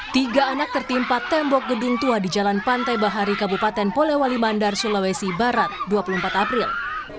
tiga anak tertimpa tembok gedung tua di jalan pantai bahari kabupaten polewali mandar sulawesi barat dua puluh empat april